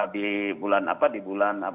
di bulan apa di bulan